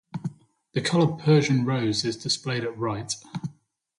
The color Persian rose is displayed at right.